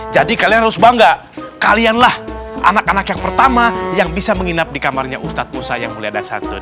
jadi kalian harus bangga kalianlah anak anak yang pertama yang bisa menginap di kamarnya ustadz musaimuli adasadun